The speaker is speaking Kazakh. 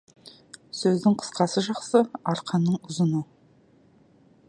Сөздің қысқасы жақсы, арқанның ұзыны.